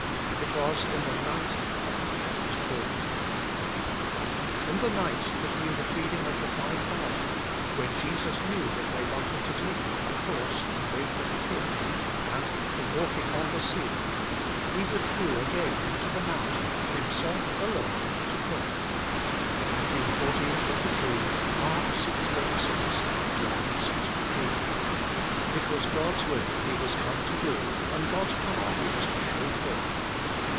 It was in the night of prayer it was shown Him. In the night between the feeding of the five thousand, when Jesus knew that they wanted to take Him by force and make Him King, and the walking on the sea, " He withdrew again into the mountain, Himself alone, to pray " (Matt. xiv. 2 3 ; Mark vi. 46 ; John vi. 15). It was God s will He was come to do, and God s power He was to show forth.